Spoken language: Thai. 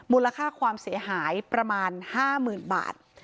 มูลค่าความเสียหายประมาณ๕๐๐๐บาท